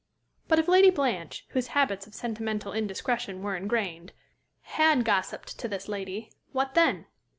But if Lady Blanche, whose habits of sentimental indiscretion were ingrained, had gossiped to this lady, what then?